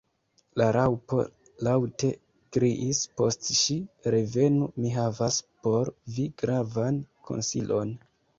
La Raŭpo laŭte kriis post ŝi. "Revenu! mi havas por vi gravan konsilon."